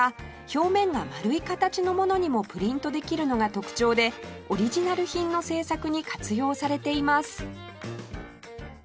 表面が丸い形のものにもプリントできるのが特徴でオリジナル品の制作に活用されています